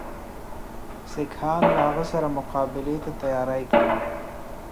سیکهان له هغه سره مقابلې ته تیاری کوي.